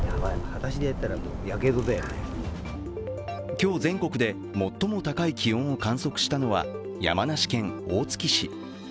今日、全国で最も高い気温を観測したのは山梨県大月市。